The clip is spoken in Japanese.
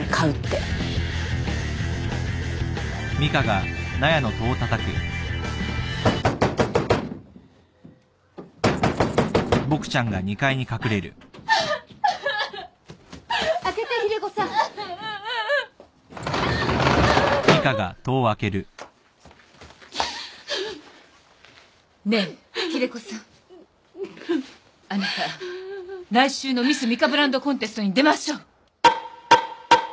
あなた来週のミスミカブランドコンテストに出ましょう。